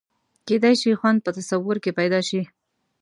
کېدای شي خوند په تصور کې پیدا شي.